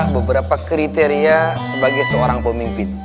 beberapa kriteria sebagai seorang pemimpin